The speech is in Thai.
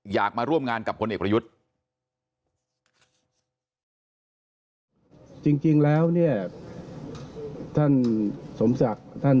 อยากมาร่วมงานกับพลเอกประยุทธ์